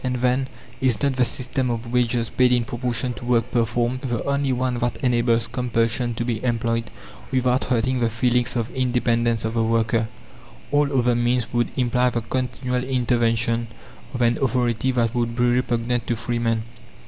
And then, Is not the system of wages, paid in proportion to work performed, the only one that enables compulsion to be employed, without hurting the feelings of independence of the worker? All other means would imply the continual intervention of an authority that would be repugnant to free men."